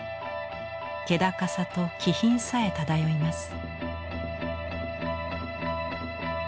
気高さと気品さえ漂います。